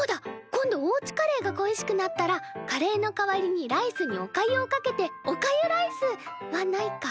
今度おうちカレーが恋しくなったらカレーの代わりにライスにおかゆをかけておかゆライスはないか。